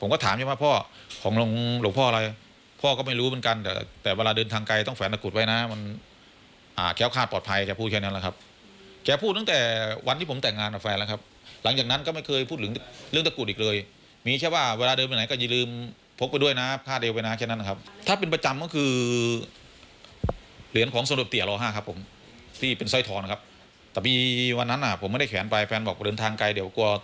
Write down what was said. เอาทองถึงทองหายผมก็เอาโอเคไม่เอาเป็นไรกับแฟนเขาก็หวังดี